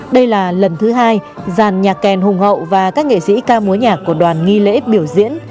đây là lần thứ hai giàn nhạc kèn hùng hậu và các nghệ sĩ ca múa nhạc của đoàn nghi lễ biểu diễn